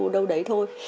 đâu đấy thôi